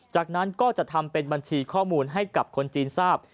จากนั้นก็จะทำเป็นบัญชีข้อมูลให้กับคนจีนทราบ